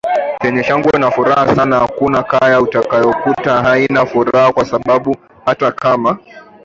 chenye shangwe na furaha sana hakuna kaya utakayokuta haina furaha kwa sababu hata kama